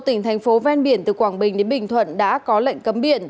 một mươi tỉnh thành phố ven biển từ quảng bình đến bình thuận đã có lệnh cấm biển